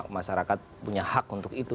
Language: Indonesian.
masyarakat punya hak untuk itu